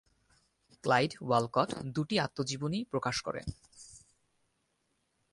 Clyde Walcott দু'টি আত্মজীবনী প্রকাশ করেন।